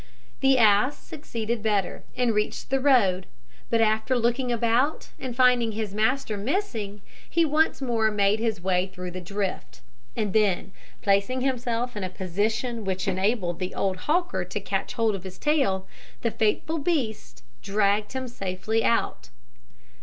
The ass succeeded better, and reached the road; but after looking about and finding his master missing, he once more made his way through the drift, and then, placing himself in a position which enabled the old hawker to catch hold of his tail, the faithful beast dragged him safely out.